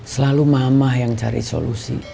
selalu mamah yang cari solusi